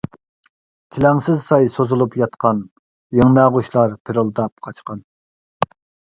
كېلەڭسىز ساي سوزۇلۇپ ياتقان يىڭناغۇچلار پىرىلداپ قاچقان.